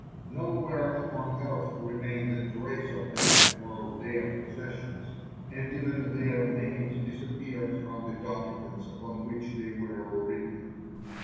Nowhere upon earth remained a trace of them or of their possessions, and even their names disappeared from the documents upon which they were written.